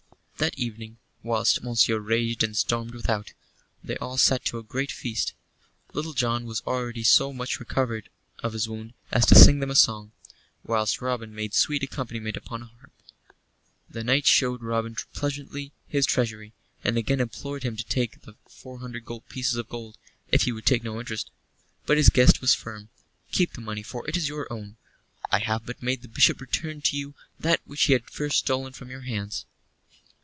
That evening, whilst Monceux raged and stormed without, they all sat to a great feast. Little John was already so much recovered of his wound as to sing them a song, whilst Robin made sweet accompaniment upon a harp. The knight showed Robin presently his treasury, and again implored him to take the four hundred pieces of gold, if he would take no interest. But his guest was firm: "Keep the money, for it is your own. I have but made the Bishop return to you that which he had first stolen from your hands."